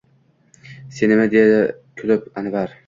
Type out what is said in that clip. –Senimi? – dedi kulib Anvar.